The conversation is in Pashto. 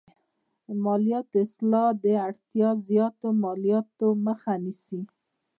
د مالیاتو اصلاح د اړتیا زیاتو مالیاتو مخه نیسي.